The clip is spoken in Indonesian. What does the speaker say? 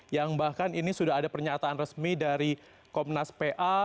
yang bahkan ini sudah ada pernyataan resmi dari komnas pa